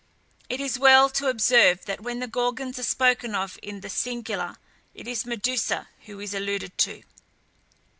It is well to observe that when the Gorgons are spoken of in the singular, it is Medusa who is alluded to.